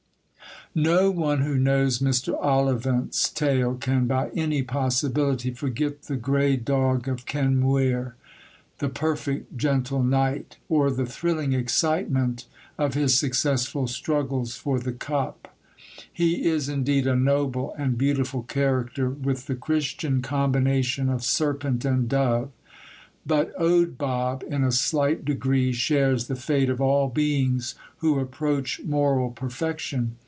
No one who knows Mr. Ollivant's tale can by any possibility forget the Grey Dog of Kenmuir the perfect, gentle knight or the thrilling excitement of his successful struggles for the cup. He is indeed a noble and beautiful character, with the Christian combination of serpent and dove. But Owd Bob in a slight degree shares the fate of all beings who approach moral perfection.